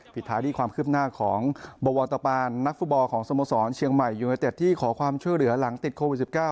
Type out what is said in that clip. ผิดท้ายที่ความคืบหน้าของบวรตปานนักฟุตบอลของสโมสรเชียงใหม่ยูเนเต็ดที่ขอความช่วยเหลือหลังติดโควิด๑๙